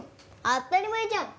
当たり前じゃん！